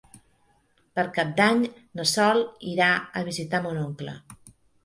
Per Cap d'Any na Sol irà a visitar mon oncle.